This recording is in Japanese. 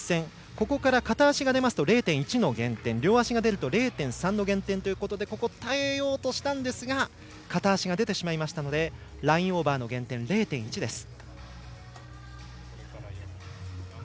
ここから片足が出ますと０．１の減点両足が出ると０．３の減点ということで耐えようとしたんですが片足が出てしまいましたのでラインオーバーの減点０．１です。